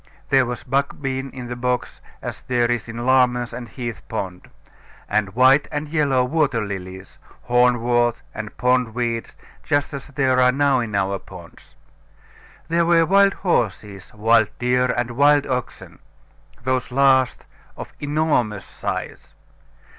There was buck bean in the bogs, as there is in Larmer's and Heath pond; and white and yellow water lilies, horn wort, and pond weeds, just as there are now in our ponds. There were wild horses, wild deer, and wild oxen, those last of an enormous size.